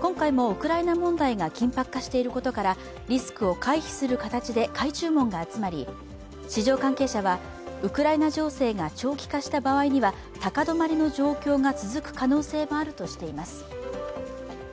今回もウクライナ問題が緊迫化していることからリスクを回避する形で買い注文が集まり、市場関係者は、ウクライナ情勢が長期化した場合には高止まりの状況が続く可能性もあるとしています。